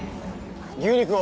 牛肉を。